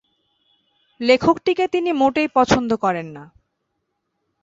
লেখকটিকে তিনি মোটেই পছন্দ করেন না।